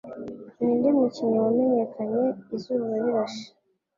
Ninde mukinnyi wamenyekanye Izuba Rirashe